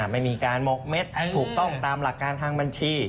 ไม่มีการหมกเม็ดถูกต้องตามหลักการทางบัญชี